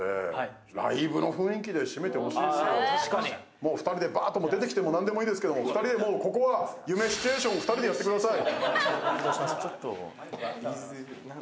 もう２人で出てきても何でもいいですけど、２人でもうここは夢シチュエーションやってください。